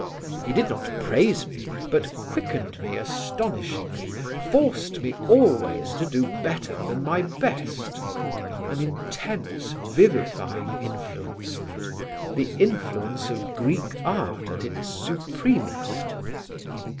He did not praise me but quickened me astonishingly, forced me always to do better than my best an intense vivifying influence, the influence of Greek art at its supremest."